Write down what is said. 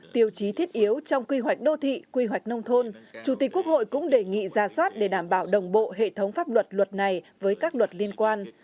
tiêu chí thiết yếu trong quy hoạch đô thị quy hoạch nông thôn chủ tịch quốc hội cũng đề nghị ra soát để đảm bảo đồng bộ hệ thống pháp luật luật này với các luật liên quan